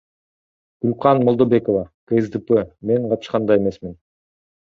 Гүлкан Молдобекова, КСДП Мен катышкан да эмесмин.